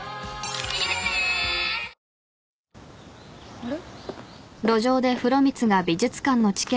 あれ？